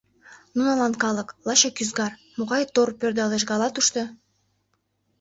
Нунылан калык — лачак ӱзгар: могай тор пӧрдалеш гала тушто?